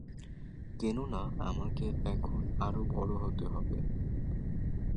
কেননা আমাকে এখন আরো বড় হতে হবে।